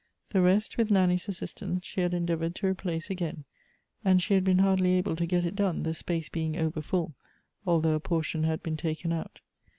The rest, with Nanny's assistance, she had endeavored to replace .iguin, and she had been hardly able to get it done, the space being over full, although a portion had been taken out.